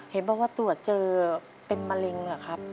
เห็นบอกว่าตรวจเจอเป็นมะเร็งเหรอครับ